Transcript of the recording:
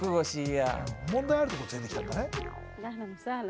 問題あるところ連れてきたんだね。